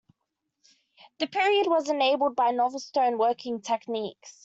The period was enabled by novel stone working techniques.